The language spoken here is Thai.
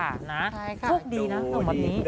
ใช่ค่ะทุกข์ดีนะสำหรับนี้